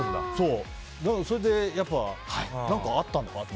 それで、何かあったのかって。